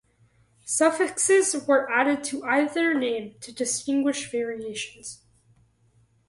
Suffixes were added to either name to distinguish variations.